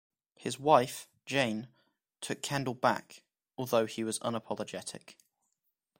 His wife, Jane, took Kendall back, although he was unapologetic.